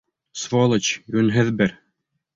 Сволочь, йүнһеҙ бер!